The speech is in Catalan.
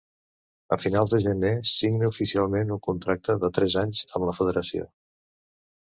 A finals de gener, signa oficialment un contracte de tres anys amb la federació.